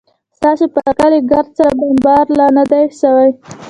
ستاسو پر کلي ګرد سره بمبارد لا نه دى سوى.